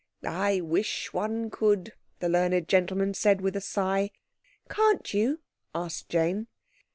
"I wish one could," the learned gentleman said with a sigh. "Can't you?" asked Jane.